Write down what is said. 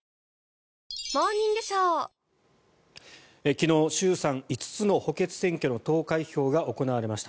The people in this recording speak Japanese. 昨日、衆参５つの補欠選挙の投開票が行われました。